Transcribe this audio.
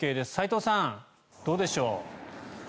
齋藤さん、どうでしょう。